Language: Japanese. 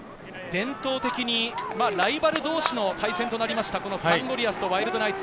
大畑さん、伝統的に、ライバル同士の対戦となりました、サンゴリアスとワイルドナイツ。